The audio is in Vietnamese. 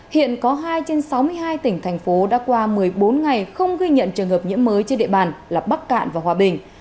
hiện có hai trên sáu mươi hai tỉnh thành phố đã qua một mươi bốn ngày không ghi nhận trường hợp nhiễm mới trên địa bàn là bắc cạn và hòa bình